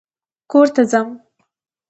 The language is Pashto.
کور ته ځم